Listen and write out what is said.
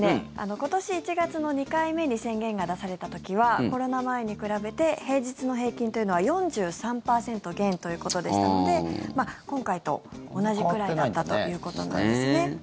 今年１月の２回目に宣言が出された時はコロナ前に比べて平日の平均というのは４３％減ということでしたので今回と同じぐらいだったということですね。